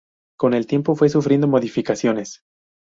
Con el tiempo fue sufriendo modificaciones.